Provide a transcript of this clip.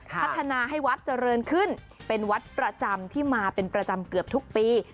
พัฒนาให้วัดเจริญขึ้นเป็นวัดประจำที่มาเป็นประจำเกือบทุกปี